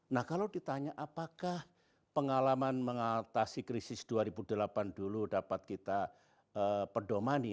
nah kalau ditanya apakah pengalaman mengatasi krisis dua ribu delapan dulu dapat kita perdomani